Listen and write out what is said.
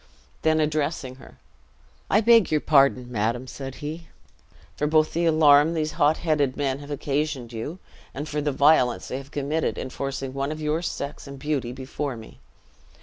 Then addressing her, "I beg your pardon, madam," said he, "both for the alarm these hot headed men have occasioned you, and for the violence they have committed in forcing one of your sex and beauty before me.